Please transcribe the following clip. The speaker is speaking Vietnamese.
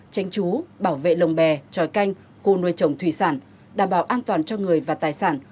tranh trú bảo vệ lồng bè tròi canh khu nuôi trồng thủy sản đảm bảo an toàn cho người và tài sản